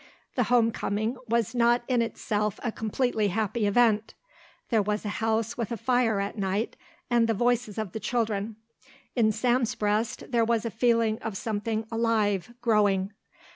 The home coming was not in itself a completely happy event. There was a house with a fire at night and the voices of the children. In Sam's breast there was a feeling of something alive, growing.